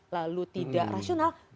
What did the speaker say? lalu tidak rasional